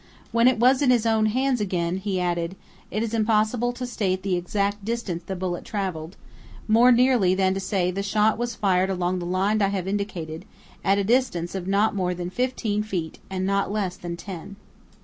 When it was in his own hands again, he added: "It is impossible to state the exact distance the bullet traveled, more nearly than to say the shot was fired along the line I have indicated, at a distance of not more than fifteen feet and not less than ten."